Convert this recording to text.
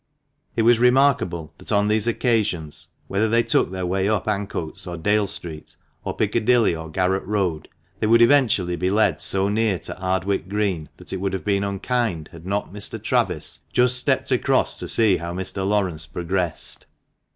It was remarkable that on these occasions, whether they took their way up Ancoats, or Dale Street, or Piccadilly, or Garret Road, they would eventually be led so near to Ardwick Green that it would have been unkind had not Mr. Travis " just stepped across to see how Mr. Laurence progressed."